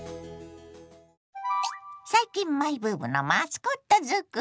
最近マイブームのマスコットづくり。